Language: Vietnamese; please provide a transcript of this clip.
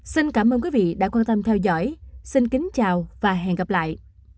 xin cảm ơn quý vị đã quan tâm theo dõi xin kính chào và hẹn gặp lại